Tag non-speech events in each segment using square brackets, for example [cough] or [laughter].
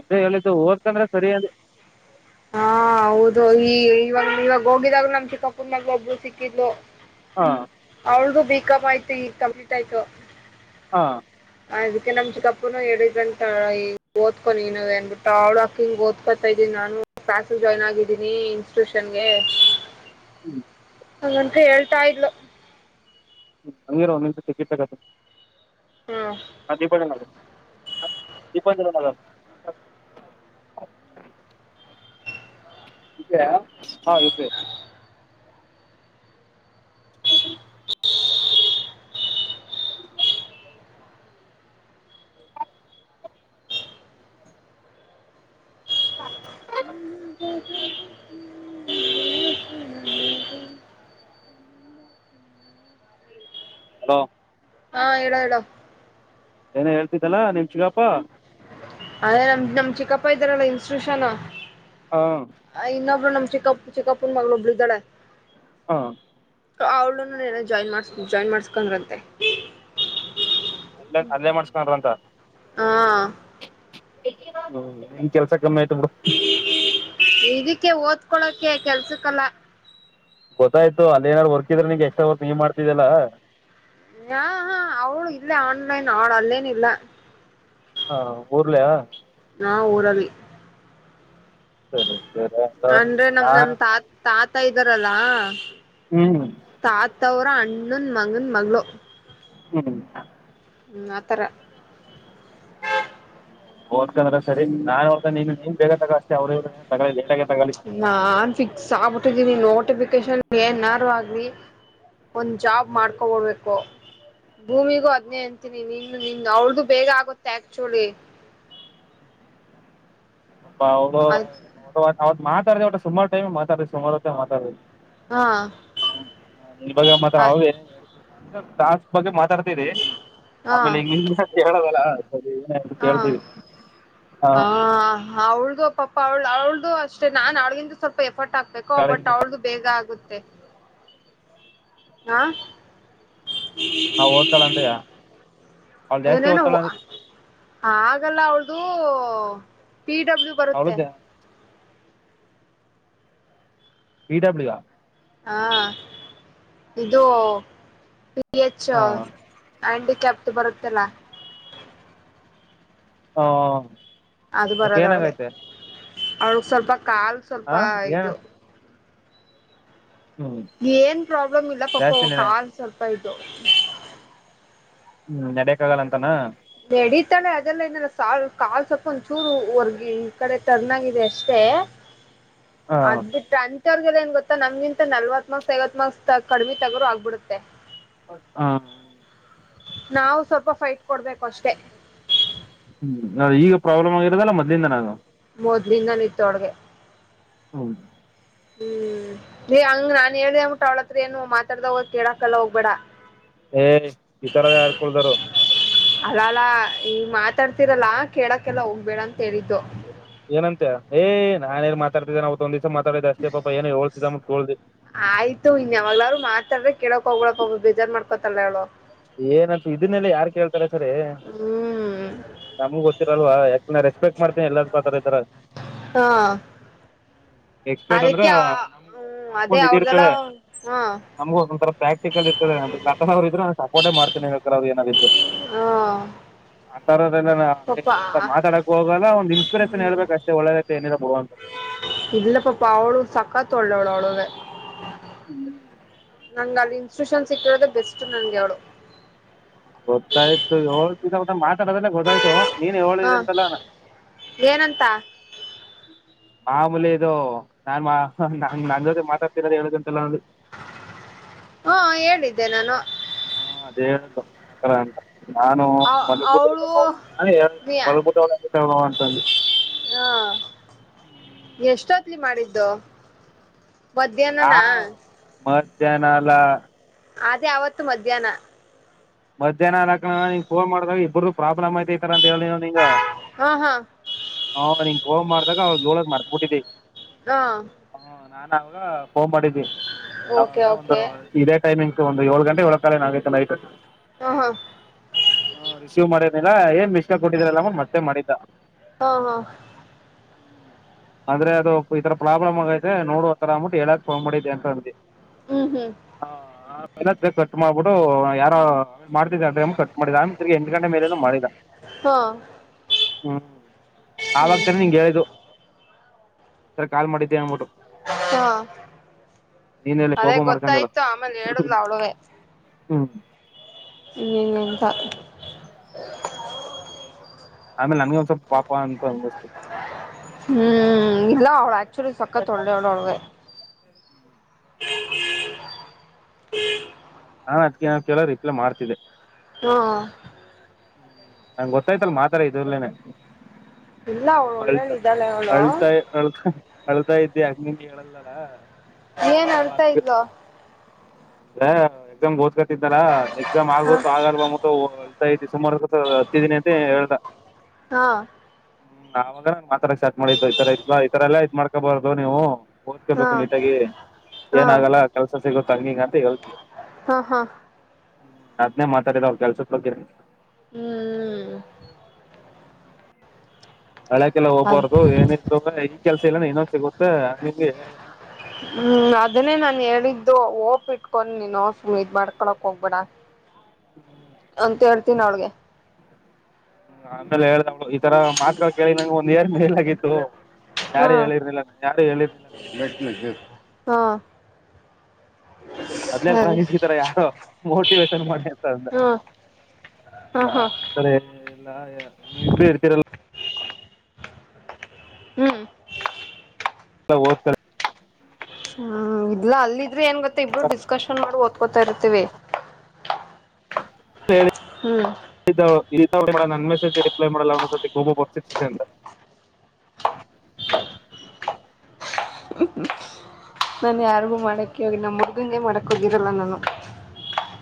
ಅದೇ ಹೇಳತ್ತು ಹೋಗದತಂದ್ರೆ ಸರಿ ಅಂದಿ ಹಾ ಹೌದು ಈ ಇವಾಗ ಇವಾಗ ಹೋಗಿದಾಗ್ಲ ನಮ್ ಚಿಕ್ಕಾಪ್ಪರ್ ಮಾಗ ಒಬ್ರು ಸಿಕ್ಕಿದ್ಲು ಹಾ ಅವಳ್ದು ಬಿಕ್ ಆಯ್ತು ಈ ಕಂಪ್ಲೀಟ್ ಆಯ್ತು ಹಾ ಅದಕ್ಕೆ ನಮ್ ಚಿಕ್ಕಪ್ಪನು ಎಡಿದಂತ ಓದ್ಕೊಂಡ ನೀನ ಅನ್ಬಿಟ್ಟ ಆ ಅವ್ಡಾಕಿಂಗ ಓದ್ಕೋತ ಇದೀ ನಾನು ಕ್ಲಾಸು ಜಾಯ್ನ್ ಆಗಿದ್ದೀನಿ ಇನ್ಸ್ಟಿಟ್ಯೂಷನ್ಗೆ ಹ್ಮ್ ಹಂಗಂತ ಹೇಳ್ತಾ ಇದ್ಲು ಹ್ಮ ಹಂಗಿರ ಒಂದ್ ನಿಂಂತ ಟಿಕಿಟ್ ಬೇಕತ್ತ ಹ್ಮ್ ಹಾ ದೀಪಜಿ ನ ದೀಪಜ [inaudible] ಇ ಹಾ ಯು ಫಿ ಐ ಹ ಹ ಹ ಹಲೋ ಹಾ ಹೇಳು ಹೇಳು ಏನ ಹೇಳ್ತಿದ್ದಲ್ಲಾ ನಿಮ್ ಚಿಗಾಪ್ಪಾ ಅದೇ ನಮ್ ನಮ ಚಿಕ್ಕಪ್ಪ ಇದ್ದಾರಲ್ಲ ಇನ್ಸ್ಟಿಟ್ಯೂಷನ್ ಹಾ ಇನ್ನೊಬ್ರು ನಮ ಚಿಕ್ಕಪ್ಪ ಚಿಕ್ಕಪ್ಪ ಇನ್ನೊಬ್ಬಳು ಮಗಳಿದ್ದಾಳೆ ಹಾ ಅವ್ಳುನ ಜಾಯ್ನ್ ಮಾಡಸ್ ಜಾಯ್ನ್ ಮಾಡಸ್ಕೊಂಡ್ರಂತೆ ಅಲ್ಲೇ ಅಲ್ಲೇ ಮಾಡಸ್ಕೊಂಡ್ರ ಅಂತ ಹಾ ಹ್ಮ ನಿನ್ ಕೆಲ್ಸ ಕಮ್ಮಿ ಆಯ್ತುಂಬೀಡು ಇದಕ್ಕೆ ಓದ್ಕೊಳಕೆ ಕೆಲ್ಸಕ್ಕಲ್ಲ ಗೊತ್ತಾಯ್ತು ಅಲ್ಲಿ ಏನಾದ್ ವರ್ಕ್ ಇದ್ರೆಗೆ ಎಕ್ಸ್ಟ್ರಾ ವರ್ಕ್ ನೀ ಮಾಡ್ತಿದ್ದಲ್ಲಾ ಹಾ ಹಾ ಅವಳ ಇಲ್ಲೇ ಆನ್ಲೈನ್ ಅವಳ ಅಲ್ಲೇನ ಇಲ್ಲ ಹಾ ಊರ್ಲ್ಲಯ [inaudible] ಹ್ಮ ಸರಿ ಅಂದ್ರೆ ನಮ್ ಹಾ ನಮ್ ತಾತ್ ತಾತ್ ತತ ಇದ್ದಾರಲ್ಲಾ ಹ್ಮ್ ತಾತವ್ರ ಅಣ್ಣನ್ ಮಗನ್ ಮಗಳು ಹ್ಮ್ ಹ ಅಥರ ಓದ್ಕಂದ್ರೆ ಸರಿ ನಾನ್ ಹೋತ ನೀನ್ ನೀನ್ ಬೇಗ ತಗೋಳ್ಷ್ಟೇ ಅವ್ರ ತಗೋ ಲೇಟಾಗೆ ತಗೊಳ್ಳಿ ನಾನ್ ಫಿಕ್ಸ್ ಆಗ್ಬಿಟ್ಟಿದ್ದೀನಿ ನೋಟಿಫಿಕೇಶನ್ ಏನಾರು ಆಗಲಿ ಒಂದ್ ಜಾಬ್ ಮಾಡ್ಕೊಬಡ್ಬೇಕು ಭೂಮಿಗೂ ಹದ್ನೇ ಅಂತೀನಿ ನಿನು ನಿನ್ ಅವಳ್ದು ಬೇಗ ಆಗುತ್ತೆ ಆಕ್ಚುಲಿ [inaudible] ಅ ಆಯ್ತು ಅವ ಮಾತಾಡ್ದ ಅವ ಸುಮಾರು ಟೈಮ್ ಮಾತಾಡ ಸುಮಾರು ಮಾತಡ ಹಾ ಹ ಇನ್ ಬಾಗ ಮಾತ್ರ ಆಯ್ ಅವೇ ಅ ಟಾಸ್ಕ್ ಬಗ್ಗೆ ಮಾತಾಡ್ತರಿ ಆಮೇಲೆಲ್ಲ ಹಾ ಹ ಹಾ ಅವಳ್ದು ಪಾಪ್ಪ ಅವ್ಳು ಅವಳ್ದು ಅಷ್ಟೇ ನಾನ್ ಅವಳಗಿಂದು ಸ್ವಲ್ಪ ಎಫರ್ಟ್ ಹಾಕ್ಬೇಕೋ ಬಟ್ ಅವಳ್ದು ಬೇಗ ಆಗುತ್ತೆ ಆ ನಾವ ಓದ್ತಾಳ ಅಂತಯ ಅವಳ ಜಾಸ್ತಿ ಓದ್ತಾಳ ಹಾಗಲ್ಲ ಅವಳ್ದು ಪಿ ಡಬ್ಲ್ಯೂ ಅವಳು ಬರುತ್ತೆ ಪಿ ಡ ಬ್ಲೂಯೂ ಆ ಹಾ ಇದು ಪಿ ಹೆಚ್ ಹ ಹ್ಯಾಂಡಿಕ್ಯಾಪ್ಟ ಬರುತ್ತಲ್ಲ ಹಾ ಅದು ಬರದ ಅವಳಿಗೆ ಅವಳಗ್ ಸ್ವಲ್ಪ ಕಾಲ್ ಸ್ವಲ್ಪ ಹ ಏನ್ ಇದು ಹ್ಮ್ ಏನ್ ಪ್ರಾಬ್ಲಮ್ ಇಲ್ಲ ಪಾಪ ಜಾಸ್ತಿ ಹ್ಮ್ ಕಾಲ್ ಸ್ವಲ್ಪ ಇದು ಹ್ಮ್ ನಡಕ್ ಆಗಲ್ಲ ಅಂತನ ನಡೀತಾಳೆ ಅದೆಲ್ಲ ಏನಿಲ್ಲ ಕಾ ಕಾಲ್ ಸ್ವಲ್ಪ ಒಂಚೂರು ವರ್ಗಿ ಈ ಕಡೆ ಟರ್ನ್ ಆಗಿದೆ ಅಷ್ಟೇ ಹ ಅದು ತನ್ [unintelligible] ಏನ್ ಗೊತ್ತಾ ನಮಗಿಂತ ನಲವತ್ತ ಮಾರ್ಕ್ಸ್ ಐವತ್ ಮಾಕ್ಸ ಕಡಿಮ ತಗೋರು ಆಗ್ಬಿಡುತ್ತೆ ಹಾ ನಾವು ಸ್ವಲ್ಪ ಫೈಟ್ ಕೊಡ್ಬೇಕು ಅಷ್ಟೇ ಈಗ ಪ್ರಾಬ್ಲಮ ಆಗಿರೋದಲ್ಲ ಮೊದಲಿಂದನು ಮೊದ್ಲಿಂದನು ಇತ್ತು ಅವಳ್ಗೆ ಹೌದು ಹ್ಮ್ ನೀ ಹಂಗ ನಾನ್ ಹೇಳ್ದ ಅಂದ್ಬಿಟ್ಟ ಅವಳತ್ರ ಏನು ಮಾತಾಡ್ದ ಹ ಕೇಳಕಲ್ಲ ಹೋಗ್ಬೇಡ ಏ ಈ ತರ ಯಾರ್ಕಳದಾರ ಅಲ್ಲ ಅಲ್ಲಾ ಈ ಮಾತಾಡ್ತಿರಲ್ಲ ಕೇಳಕ್ಕೆಲ್ಲ ಹೋಗ್ಬೇಡ ಅಂತ ಹೇಳಿದ್ದು ಏನಂತೆ ಏ ನಾನ ಏನ್ ಮಾತಾಡತಿದೇನ ಅವತ್ ಒಂದ ದಿವಸ ಮಾತಾಡಿದೆ ಅಷ್ಟೇ ಪಾಪ ಏನೋ ಹೋಳ್ತಿದ ಅಂದಬಿಟ್ಟು ಕೇಳ್ದೆ ಆಯ್ತು ಇನ್ ಯಾವಾಗ್ಲಾದ್ರು ಮಾತಾಡ್ರೆ ಕೇಳಕ್ ಹೋಗಳಪ್ಪ ಬೇಜಾರ್ ಮಾಡ್ಕೊತಾಳೆ ಅವಳು ಏನಂತ ಇದನ್ನೆಲ್ಲ ಯಾರ್ ಕೇಳ್ತಾರೆ ಸರಿ ಹ್ಮ್ ನಮಗು ಗೊತ್ತ [unintelligible] ಅಲ್ವಾ ಯಕೆ ರೆಸ್ಪೆಕ್ಟಮಾಡ್ತಿನೆ ಎಲ್ಲರ ಪತರ [unintelligible] ಹಾ ರೆಸ್ಪೆಕ್ಟ್ ಅಂದ್ರ ಅದಕ್ಕೆ ಆ- [unintelligible] ಹ್ಮ್ ಅದೇ ನಮ್ಗೊಂದು ಇದ ಅವ್ರದೆಲ್ಲ ಇರ್ತದೆ ಹಾ ನಮ್ಗೊಂದ ಒಂತರ ಪ್ರಾಕ್ಟಿಕಲ್ ಇರ್ತದೆ ಆಟೋನಾಮಸ್ ಇದ್ರೆ ಸಾ ಕೋಟೆ ಮಾಡ್ತೀನಿ ಹದು ಏನಾದ್ರ ಇದ್ರ ಹಾ ಆ ತರ ಆತರ ಆಗ ಈಗಾ ಪಾಪ ಮಾತಾಡಕ ಹೋಗಲ್ಲ ಒಂದು ಇನ್ಸಪಿರಷನ್ ಹೇಳ್ಬೇಕು ಅಷ್ಟೇ ಒಳ್ಳೆದೈ ಆಯ್ತದೆ ಏನಿಲ್ಲ ಬಿಡು ಅಂತ ಇಲ್ಲ ಪಾಪ ಅವಳು ಸಕ್ಕಾತ್ತು ಒಳ್ಳೆ ಅವಳ ಅವಳಂದ ಹ್ಮ ನಂಗ ಅಲ್ಲಿ ಇನ್ಸ್ಟಿಟ್ಯೂಷನ್ ಸಿಕ್ಕಿರೋದ ಬೆಸ್ಟ್ ನಂಗೆ ಅವ್ಳು ಗೊತ್ತಾಯ್ತು ಹಳ್ ಮಾತಾಡದಲ್ಲೇ ಗೊತ್ತಾಯ್ತು [unintelligible] ನೀನ್ ಹ ಹೇಳಿದೆ ಅಂತಲ್ಲ ಏನಂತ ಮಾಮೂಲಿ ಇದು ನಾನ್ ಮಾ ನನ್ ನನ್ ಜೊತೆ ಮಾತಾಡ್ತಿರೋದ ಹೇಳುದು [unintelligible] ಹ್ಮ ಹೇಳಿದ್ದೆ ನಾನು ಹ ಹೇಳದು ಆತರ ಅಂತ ನಾನು ಅವಳು ಮಲಗತಿರ್ಬೇಕ ಮಲ್ತವ ಅಂತ ಅಂದೆ ಹಾ ಎಷ್ಟೊ ನೆನ್ ಮಾಡಿದ್ದು ಮಧ್ಯಾಹ್ನನ ಮದ್ಯಾಹ್ನ ಅಲ್ಲ ಅದೇ ಆವತ್ತು ಮಧ್ಯಾಹ್ನ ಮದ್ಯಾಹ್ನ ಅಲ್ಲ ಕಣೋ ನಿಂಗ ಪೋನ ಮಾಡದಾಗ ಇಬ್ರು ಪ್ರಾಬ್ಲಮ ಐತೆ ಇತರ ಹೇಳಿ ನಿಂಗ ಹಾ ಹಾ ಹ ನಿಂಗ ಫೋನ್ ಮಾಡದಾಗ ಅವಳಗ ಏಳದ ಮರ್ತಬಿಟ್ಟಿದ್ದಿ ಹಾ ನಾನ್ ಅವಾಗ ಫೋನ್ ಮಾಡಿದ್ದೀ ಓಕೆ ಅವಾಗಲ ಒಂದು ಓಕೆ ಇದೇ ಟೈಮಿಂಗ್ ಒಂದು ಏಳು ಗಂಟೆ ಒಳ ಕಾಲ ನಂಗೈತ ನೈಟ್ ಹಾ ಹಾ ರಿಸೀವ್ ಮಾಡಿ ಇಲ್ಲ ಏನ್ ಮಿಸಕಾಲ ಕೊಟ್ಟಿದ್ರಲ್ಲ ಮತ್ತೆ ಮಾಡಿದ್ದ ಹಾ ಹಾ ಹ್ಮ್ ಅಂದ್ರೆ ಅದು ಈ ತರ ಪ್ರಾಬ್ಲಮ್ ಆಗೈತೆ ನೋಡುವ ತರ ಅದ್ಬಿಟ್ ಹೇಳಕ್ ಫೋನ್ ಮಾಡಿದ್ದೆ ಅಂತ ಅಂದೆ ಹ್ಮ್ ಹ್ಮ್ ಪೈಲ್ ಕಟ್ ಮಾಡ್ಬಿಡು ಯಾರೋ ಮಾಡ್ತಿದ್ದ ಅ ಕಟ್ ಮಾಡಿದ ಆಮ ತಿಗಿ ಎಂಟ್ ಗಂಟೆ ಮೇಲೆ ಮಾಡಿದ ಹಾ ಹ್ಮ್ ಅವುತುನೆ ನಿಂಗಗೆ ಹೇಳದು ಈ ತರ ಕಾಲ್ ಮಾಡಿದ್ದೆ ಅನ್ಬಿಟ್ಟು ಹಾ ನೀನೆಲ್ಲಿ [inaudible] ಅದೇ ಕೋಪ ಮಾಡ್ಕೊಂಡಲ್ಲ ಗೊತ್ತಾಯ್ತು ಆಮೇಲೆ ಹೇಳುದ್ಲ ಅವಳುವೇ ಹ್ಮ್ ಇಂಗ ಇಂಗ ಅಂತ ಆಮೇಲೆಮಗೆ ಒಂದ ಸ್ವಲ್ಪಾಪ ಹ್ಮ್ ಇಲ್ಲ ಅವ್ಳು ಆಕ್ಚುಲಿ ಸಕ್ಕತ್ ಒಳ್ಳೆಯವಳು ಅವಳಗೆ [inaudible] ಹಾ ಅದ್ಕ ನಾವ ಕೇಳೋ ರಿಪ್ಲ ಮಾಡ್ತಿದ್ದೆ. ಹಾ [inaudible] ನಂ್ ಗೊತ್ತಾಯ್ತಲ್ ಮಾತಾರೆ ಇದಲೇನೆ... ಇಲ್ಲ ಅವಳು ಒಳ್ಳೇಳ ಹಳ್ತ ಇದ್ದಾಳೆ ಅವಳು ಅಳ್ತಾಯ ಅಳ್ತ.. ಹಳ್ತಾ ಇದ್ದೆ ಅಂಗ ನಿಂಗೆ ಹೇಳಲ್ಲಲ್ಲ... ಏನ್ ಅರ್ತಾಯ್ವ... ಅ ಎಕ್ಸಾಮ್ಗೆ ಓದ್ಕತಿದ್ದಾರ ಎಕ್ಸಾಮ್ ಆಗ ಹ ಆಗಲ್ ಬಂದ್ಬಿಟ್ಟು ಹೊಲ್ತಾ... ಸುಮಾರು ಹತ್ತಿದ್ದಿನಿ ಅಂತ ಹೇಳ್ದ. ಹಾ [inaudible] ಹ್ಮ್ ಅವಾಗ ನಂಗಗೆ ಮಾತ್ರ ಸ್ಟ್ ಮಾಡಿದ್ದ್ು ಈತರ ಇಲ್ವಾ ಈ ತತರ ಎಲ್ಲ ಇದ್ ಮಾಡ್ಕೊಬಾರ್ದು ನೀವು. ಹಾ ಓದ್ಕೋಬೇಕು ನೀಟಾಗಿ ಹಾ ಏನ ಆಾಗಲ್ಲ ಕೆಲ್ಸ ಸಿಗೋ ತಂಗಿಗ... ಹಾ ಹಾ [inaudible] ಅದನೇ ಮಾತಾಡಿದ ಅವ್ ಕೆಲ್ಸದ ಬಗ್ಗೆ... ಹ್ಮ್ ಹಳ್ಯಕಲ್ಲ ಅದ್ ಹೋಗ್ಬಾರ್ದು ಏನ ಇಲ್ ಈ ಕೆಲ್ಸ ಇಲ್ಲ ಇನೊನ್ ಸಿಗುತ್ತ. ಹ್ಮ್ ಅದನ್ನೇ ನಾ ಹೇಳಳ್ ಿದ್ದು ಓಪ್ ಇಟ್ಕೊಂಡ ನೀನುು ಇದ್ ಮಾಡ್ಕೊಳಕ್ ಹೋಗ್ಬೇಡ [inaudible] ಹ್ಮ ಅಂತ ಹೇಳ್ತೀನ ಅವಳ್ಗೆ.. ಹ ಆಮೇಲೆ ಹೇಳ್ದವ್ಳು ಈ ತರ ಮಾತ್ಗಳು ಕೇಳಿ ನಂಗೆ ಒಂದ್ ಎಏಡು ಮಲ್ ಆಗಿತ್ತು... ಹಾ ಯಾರು ಹೇಳಿರ್ಲ್ಲ ಯಾರು ಹೇಳಿರ್ಲಿಲ್ಲ ನಂಗೆ.. ಹಾ ಅದಲೆ ಸರಿ ನ ತರ ಯಾರು ಮೋಟಿವೇೇಶನ್ ಮಾಡ. ಹಾ ಹಾ ನಾ ಹಾ ಆತರ ಎಲ್ಲ ನೀ ಇ ಇರ್ತೀರಲ್ಲ... ಹ್ಮ್ [inaudible] ಹ್ಮ್ ಇಲ್ಲಾ ಅಲ್ಲಿದ್ರೆ ಏನ್ ಗತ್ತ ಇಬ್ರು ಡಿಸ್ಕಶನ್ ಮಾಡಿ ಓದ್ಕೊತಾ ಇರ್ತಿೀವಿ... ೇಳಿ. ಹ್ಮ [inaudible] ಇ ನನ್ಮೆಸಜ ರರಿಪ್ಲೈ ಮಾಡೋ ೂ ಉಪಸ್ಥಿತ ಅಂತ. ನಾನು ಯಾರಿಗೂ ಮಾಡೋಕ್ಕೆ ಹೋಗಿ ನಮ್ಮ ಹರ್ಗನಗೆ ಮಾಡೋಕ್ಕೆ ಹೋಗಿರಲ್ಲ ನಾನು...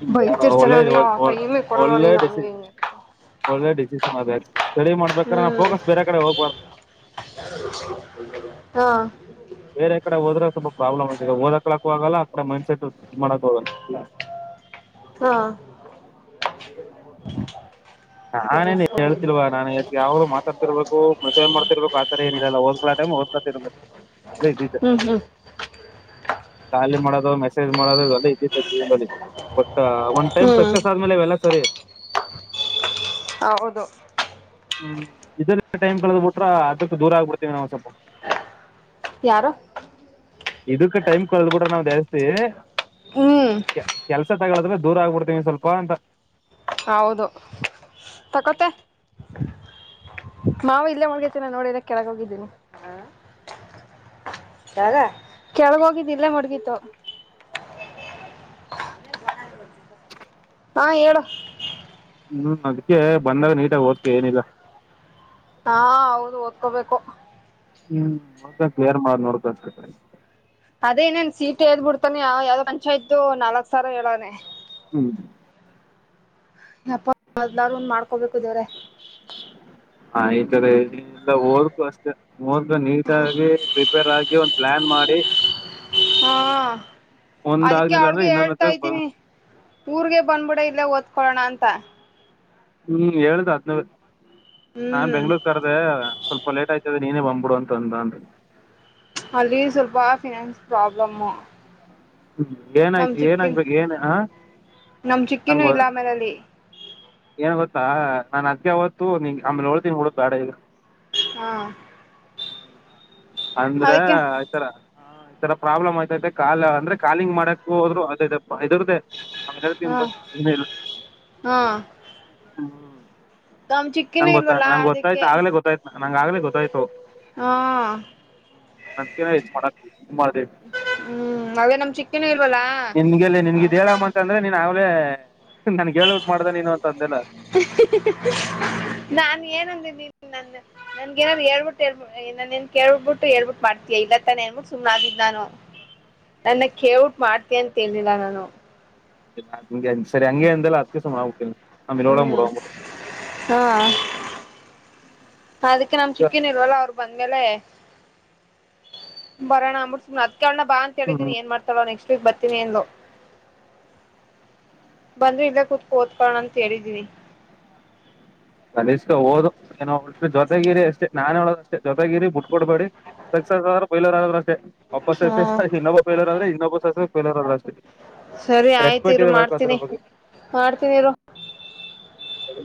ಹ ಯಾರ ಬೈತಿರ್ತಾನೆ ಒಳ್ಳೆ ನನಗೆ ಆ ಟೈಮಿಗೆ ಕೊಡಲ್ಲ ಒಳ್ಳೆ ನೀನು ಡಸನ್ ಹಂಗೆ ಹಿಂಗೆ ಒಳ್ಳೆ ಡೆಸಿಷನ್ ಅದತ... ಸ್ಟಡಿ ಮಾಡ್ಬೇಕ್ರ ನಾ ಹ್ಮ್ ಫೋಕಸ್ ಬೇರೆ ಕಡೆ ಹೋಗ್ಬಾರ್ದು... ಹಾಂ ಬೇರೆ ಕಡೆ ಹೋದ್ರೆ ಸ್ವಲ್ಪ ಪ್ರಾಬ್ಲ್ ಆಗಿದೆ ಓದಕ್ಳಕ ಆಗಲ್ಲ ಅಡೆ ಮೈಂಡ್ ಸೆಟ್ ಇ ಮಾಡಕ್ ಹೋಗಲ್ಲ... ಹಾ [inaudible] ನಾನೇನ್ ಹೇಳ್ತಿಲ್ವಾ ನಾನ್ ಯಾವ್ರು ಮಾತಾಡ್ತಿರ್ಬೇಕು ಮಸೇನ್ ಮಾಡ್ತಿರ್ಬೇಕು ಆತರ ಏನ ಇಿಲ್ಲಲ್ಲ ಹೋದ್ಲಾ... ಹ್ತ [inaudible] ಹ್ಮ್ ಹ್ಮ್ [inaudible] ಖಾಲಿ ಮಾಡೋ ಮೆಸೇಜ್ ಮಾಡೋದು ಎಲ್ಲ ಇದ್ದಿದ್ದ ಜೀವನದಲ್ಲಿ. ಒನ್ ಟೈಮ್ ಹ್ಞೂ ಸಕ್ಸಸ್ ಆದ್ಮೇಲೆ ಇವೆಲ್ಲ ಸರಿ. ಹೌದು. ಹ್ಮ್ ಇದಲ್ಲಿ ಟೈಮ್ ಕಳದ್ ಬಿಟ್ರ ಅದಕ್ಕ ದೂರ ಆಗ್ಬಿಡ್ತೇವಿ ನಾವು್ ಸ್ವಲ್ಪ... ಯಾರು ಇದಕ್ ಟೈಮ್ ಕೊಳದ ಬಿಡ್ರ ನಾವ್ ಜಸ್ತಿ ಹ್ಞೂ ಕೆಲ್ಸ ದೂರ ಆಗ್ಬಡ್ತೀನಿ ಸ್ವಲ್ಪ ಅಂತ ಹೌದು ತಕೋತ್ತೆ ಮಾವ ಇಲ್ಲೇ ಮಳ್ಗತೀನ ನೋಡಿದ ಕೆಳಗ ಹೋಗಿದ್ದೀನಿ ಯಗ ಕೆಳಗೋಗಿದ್ದಿಲ್ಲೇ ಮುಡ್ಗಿತ್ತುು ಹಾಂ ಹೇಳು ಹ್ಮ್ ಅದ್ಕ್ಕೆ ಬಂದಾಗ ನೀಟಾಗಿ ಓದಕ್ಕೆ ಏನಿಲ್ಲ ಹಾ ಹೌದು ಓದ್ಕೋಬೇಕು ಹ್ಮ್ ನ ಬೇರ್ ಮಾಡ ನೋಡ್ಕಟಿ ಅದೇನೇನ್ ಸೀಟ್ ಹೇಳ್ ಬಿಡ್ತಾನೆ ಯಾವ್ದ್ ಪಂಚಾಯತ ನಾಲ್ಕ್ ಸಾವರ ಹೇಳವ್ನೇ ಹೂ ಯಪ್ಪಾ ಏನಾದ್ರೂ ಮಾಡ್ಕೋಬೇಕು ದೇವ್ರೆ ಹ ಈತಾರೆಲ್ಲ ಓದುಕೂ ಅಷ್ಟೇ ಓದುಕೊ ನೀಟಾಗಿ ಪ್ರಿಪೇರ್ ಆಗಿ ಒ ಪ್ಲಾನ್ ಮಾಡಿ ಹಾ ಒಂದ್ ಅದಕ್ಕೆ ಆಗ್ಲಿಲ್ಲ ಅಂದ್ರೆ ಅವ್ಳಿಗೆ ಇನ್ನೊಂದಕ್ಕ ಹೇಳ್ತಾ ಇದ್ದೀನಿ ಊರ್ಗೆ ಬಂದ್ಬಿಡ ಇಲ್ಲ ಒದ್ ಕೋಲೋಣ ಅಂತ ಹೂ ಹೇಳ್ದ ಹದನ ನಾನ್ ಹ್ಮ್ ಬೆಂಗ್ಳೂರ್ ಕರ್ದ ಸ್ವಲ್ಪ ಸ್ಪ ಲೇಟ್ ಆಯ್ತದೆ ನೀನೇ ಬಂದ್ಬಿಡು ಅಂತ ಅಂತ ಅಂದ್ರೆ ಅಲ್ಲಿ ಸ್ವಲ್ಪ ಫಿನಾನ್ಸ್ ಪ್ರಾಬ್ಲಮ್ಮು ಹೂ ನಮ್ ಏನಾಯ್ತು ಏನ ಚಿಕ್ಕಿನ್ ಆಗಬೇಕು ಏನ್ ಹ ನಮ್ ಚಿಕ್ಕಿನೂ ಹಂಗದು ಇಲ್ಲ ಆಮೇಲೆ ಅಲ್ಲಿ ಏನ್ ಗೊತ್ತಾ ನಾನ್ ಅದ್ಗೆಓತ್ತುು ನಿ ಆಮೇಲೆ ಹೊಳತೀನ್ ಹಡುತ್ತು ಆಡ ಈಗ ಹಾ ಅಂದ್ರ ಅದಕ್ಕೆ ಆತರ ಈ ತರ ಪ್ರಾಬ್ಲಮ್ ಆಯ್ತೈತೆ ಕಾ ಅಂದ್ರ ಕಿಂಗ ಮಾಡಕ್ ಹೋದ್ರು ಅದ ಇದುತ ಆಮೇಲೆ ಹೇಳ್ತೀನಿ ಹಾ ಬಿಡು ಇನ್ನು ಇಲ್ಲ ಹಾ ಹೂ ನಮ್ ಚಿಕ್ಕಿನೂ ನಂಗ್ ಗೊತ್ತಾ ಇಲ್ವಲ್ಲ ನಂಗ ಗೊತ್ತಾಯ್ತ ಅದಕ್ಕೆ ಆಗ್ಲೇ ಗೊತ್ತಾಯ್ತ ನಂಗ ಆಗ್ಲೇ ಗೊತ್ತಾಯ್ತು ಹಾ ಅದ್ಕೆ ಇದ್ನ ಮಾಡೋಕೆ ಇದ್ನ ಮಾಡಿನಿ ಹ್ಮ್ ಅದೇ ನಮ್ ಚಿಕ್ಕಿನೂ ಇಲ್ವಲ್ಲ ನಿನ್ಗೆಲ್ಲಿ ನಿನ್ಗ ಹೇಳಮ್ಮ ಅಂತ ಅಂದ್ರೆ ನೀನ್ ಆಲೇ ನನಗೆ ಹೇಳ್ಬಿಟ್ಟು ಮಾಡ್ದೆ ನೀನು ನಾನು ಏನಂದಿನಿ ನ ನನ್ ಏನ್ ಹೇಳ್ಬಿಟ್ಟ ಹೇಳ್ನ್ ಕೇಳ್ಬಿಟ್ಟು ಹೇಳ್ಬಿು ಮಾಡ್ತಯ ಇಲ್ಲಾನೇ ಹೇಳ್ಬಿು್ ಆಗ ನಾನು ನನ್ನ ಕೇಔಟ್ ಮಾಡ್ತ ಅಂತೇಳಲಿಲ್ಲ ನಾನು ಸರಿ ಹಂಗೆ ಅ ಎಂದಲ್ಲ ಹತ್ತುಸ ಹೂ ಹಾ ಅದಕ್ಕೆ ನಮ ಚಿಕ್ಕೇನ್ ಇಲ್ವಲ್ಲ ಅವರು ಬಂದ್ಮೇಲೆ ಬರೋಣ ಬಿಡ್ ಕಣ ಬಾ ಅಂತ ಹ್ಞೂ ಹೇಳಿದೀನಿ ಏನ್ ಮಾಡ್ತಾಳೋ ನೆಕ್ಸ್ಟ್ ವೀಕ್ ಬರ್ತೀನಿ ಅಂದ್ಲು ಬಂದ್ರಿ ಇಲ್ಲ ಕುೂತ್ಕೋ ಓದಕೋಣ ಅಂತ ಹೇಳಿದೀನಿ ಅದು ಎಷ್ಟೋ ಓದು ಏ ಜೊತೆಗಿರಿ ಅಷ್ಟೇ ನಾನ್ ಹೇಳೋದ ಅಷ್ಟೇ ಜೊತೆಗಿರಿ ಬಿುಟ್ ಕೊಡ್ಬೇಡಿ ಬೈಲರ್ ಆದ್ರ ಅಷ್ಟೇ ಒಬ್ಬ ಹ್ಮ್ ಸೇಸ ಇನ್ನೊಬ ಬೈಲರ್ ಆದ್ರೆ ಇನ್ನೊಬ ಸಸೆಫೈಲರ್ ಆದ್ರ ಅಷ್ಟೇ ಸರಿ ಆಯ್ತ ರೆಸ್ಪೆಕ್ಟ್ ಇರು ಇರಬೇಕು ಅದ್ರ ಮಾಡ್ತೀನಿ ಬಗ್ಗೆ ಮಾಡ್ತೀನಿ ಇ ಹೂ ಸರಿ